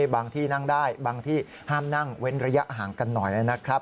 บางที่นั่งได้บางที่ห้ามนั่งเว้นระยะห่างกันหน่อยนะครับ